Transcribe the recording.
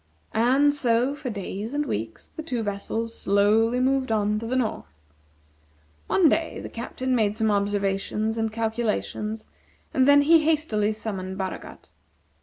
And so, for days and weeks, the two vessels slowly moved on to the north. One day the Captain made some observations and calculations, and then he hastily summoned Baragat.